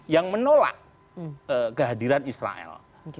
yang menolak kehadiran israel